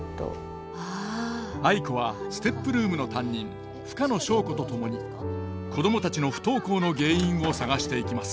藍子はＳＴＥＰルームの担任深野祥子と共に子供たちの不登校の原因を探していきます。